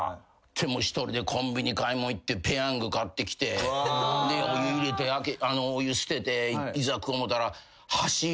１人でコンビニ買い物行ってぺヤング買ってきてお湯入れてお湯捨てて。